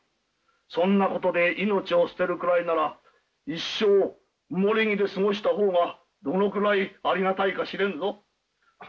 そんなことで命を捨てるくらいなら一生埋木で過ごした方がどのくらいありがたいか知れぬのう。